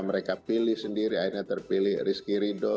mereka pilih sendiri akhirnya terpilih rizky ridho